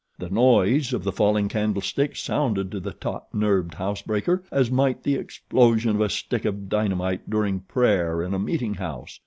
The noise of the falling candlestick sounded to the taut nerved house breaker as might the explosion of a stick of dynamite during prayer in a meeting house.